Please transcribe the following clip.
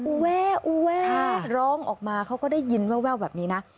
แวูแวร้องออกมาเขาก็ได้ยินแววแบบนี้นะ